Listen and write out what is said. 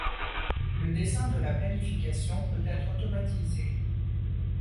Le dessin de la planification peut être automatisé.